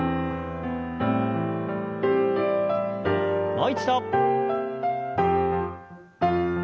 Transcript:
もう一度。